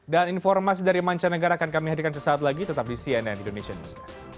dan informasi dari mancanegara akan kami hadirkan sesaat lagi tetap di cnn indonesia news